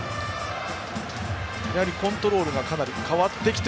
コントロールがかなり変わってきて。